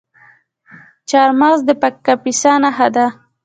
چهارمغز د کاپیسا نښه ده.